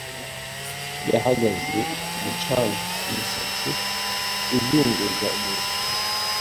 Yahagaze ku mucanga umusatsi uzunguza umuyaga.